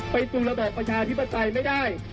ไปสู่ระดอกประชาธิปไตยไม่ได้